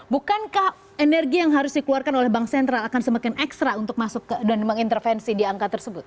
bukankah energi yang harus dikeluarkan oleh bank sentral akan semakin ekstra untuk masuk ke dan mengintervensi di angka tersebut